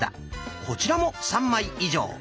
こちらも３枚以上。